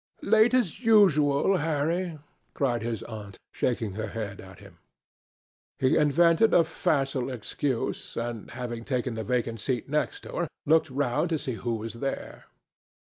"Late as usual, Harry," cried his aunt, shaking her head at him. He invented a facile excuse, and having taken the vacant seat next to her, looked round to see who was there.